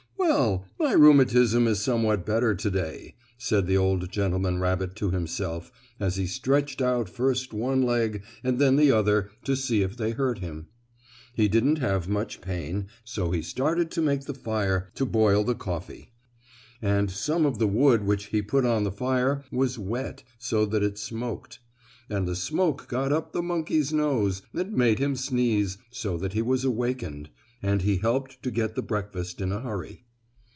"Well, my rheumatism is somewhat better to day," said the old gentleman rabbit to himself as he stretched out first one leg and then the other to see if they hurt him. He didn't have much pain, so he started to make the fire to boil the coffee. And some of the wood which he put on the fire was wet so that it smoked. And the smoke got up the monkey's nose, and made him sneeze, so that he was awakened, and he helped to get the breakfast in a hurry.